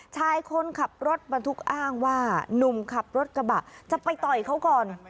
ชายคนขับรถบรรทุกอ้างว่านุ่มขับรถกระบะจะไปต่อยเขาก่อน